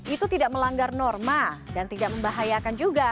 itu tidak melanggar norma dan tidak membahayakan juga